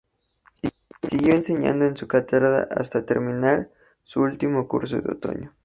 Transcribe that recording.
Siguió enseñando en su cátedra hasta terminar su último curso de otoño.